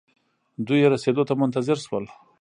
دوئ يې رسېدو ته منتظر شول.